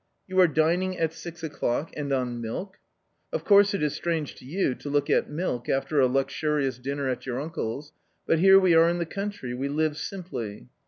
" You are dining at six o'clock, and on milk ?"" Of course it is strange to you to look at milk after a luxurious dinner at your uncle's, but here we are in the coun try ; we live simply."